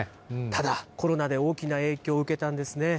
ただ、コロナで大きな影響を受けたんですね。